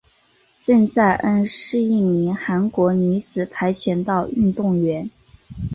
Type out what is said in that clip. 郑在恩是一名韩国女子跆拳道运动员。